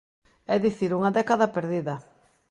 É dicir, unha década perdida.